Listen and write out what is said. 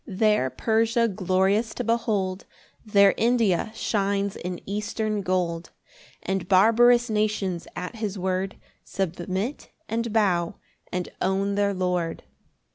3 There Persia glorious to behold, There India shines in eastern gold: And barbarous nations at his word Submit, and bow, and own their Lord.